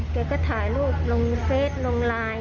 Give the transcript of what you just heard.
แกก็ถ่ายรูปลงเฟสลงไลน์